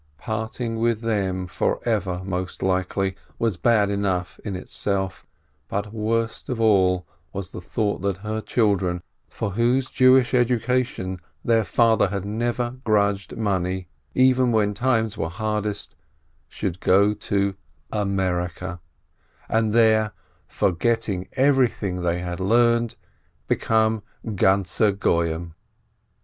Parting with them, forever most likely, was bad enough in itself, but worst of all was the thought that her children, for whose Jewish education their father had never grudged money even when times were hardest, should go to America, and there, forgetting everything they had learned, become "ganze Goyim."